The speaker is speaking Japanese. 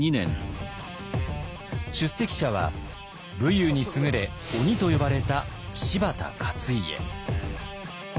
出席者は武勇に優れ鬼と呼ばれた柴田勝家。